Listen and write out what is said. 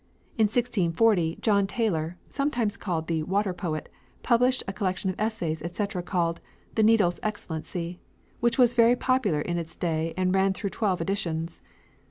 In 1640 John Taylor, sometimes called the "Water Poet," published a collection of essays, etc., called "The Needle's Excellency," which was very popular in its day and ran through twelve editions.